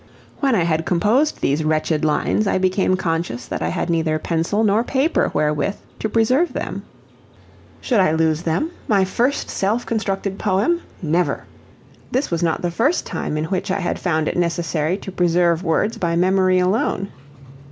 When I had composed these wretched lines I became conscious that I had neither pencil nor paper wherewith to preserve them. Should I lose them my first self constructed poem? Never! This was not the first time in which I had found it necessary to preserve words by memory alone.